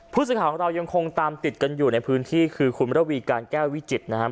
ผู้สื่อข่าวของเรายังคงตามติดกันอยู่ในพื้นที่คือคุณระวีการแก้ววิจิตรนะครับ